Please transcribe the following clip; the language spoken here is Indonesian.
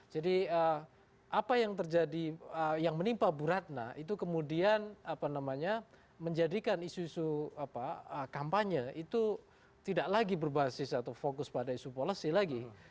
jadi apa yang terjadi yang menimpa buratna itu kemudian menjadikan isu isu kampanye itu tidak lagi berbasis atau fokus pada isu policy lagi